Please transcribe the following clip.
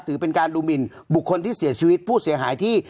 ถือเป็นการดูหมินบุคคลที่เสียชีวิตผู้เสียหายที่